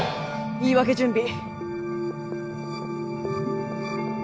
言い訳準備。